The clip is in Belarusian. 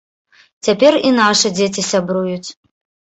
Цяпер і нашы дзеці сябруюць.